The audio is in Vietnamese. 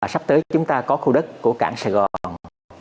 sắp tới chúng ta có khu đất của cảng sài gòn